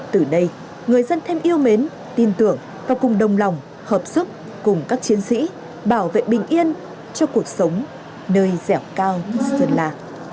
từ đây người dân thêm yêu mến tin tưởng và cùng đồng lòng hợp sức cùng các chiến sĩ bảo vệ bình yên cho cuộc sống nơi dẻo cao sơn la